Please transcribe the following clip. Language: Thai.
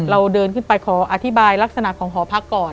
เราเดินขึ้นไปขออธิบายลักษณะของหอพักก่อน